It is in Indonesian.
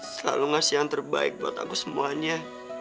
selalu ngasih yang terbaik buat aku semuanya